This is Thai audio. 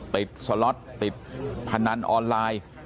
สล็อตติดพนันออนไลน์